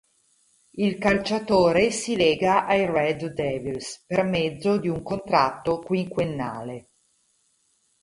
Il calciatore si lega ai "Red Devils" per mezzo di un contratto quinquennale.